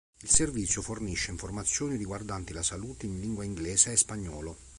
Il servizio fornisce informazioni riguardanti la salute in lingua inglese e spagnolo.